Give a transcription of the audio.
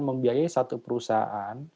membiayai satu perusahaan